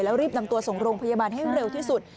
แล้วรีบนำตัวส่งโรงพยาบาลให้เร็วที่สุด